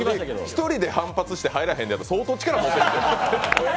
１人で反発して入らへんねやったら相当力持ってる。